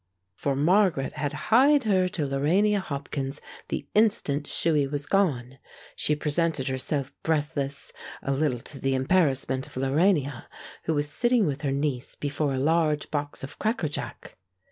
For Margaret had hied her to Lorania Hopkins the instant Shuey was gone. She presented herself breathless, a little to the embarrassment of Lorania, who was sitting with her niece before a large box of cracker jack.